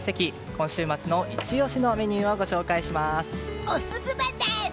今週末のイチ押しのメニューをご紹介します。